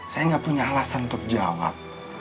saya nggak punya alasan untuk jawab